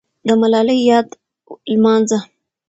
د ملالۍ یاد لمانځه.